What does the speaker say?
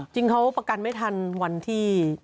จริงเขาประกันไม่ทันวันที่